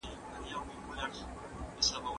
د واکسین معلومات په عامه رسنیو کې خپرېږي.